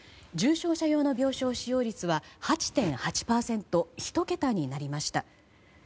重症者用の病床使用率は８．８％１桁になりました。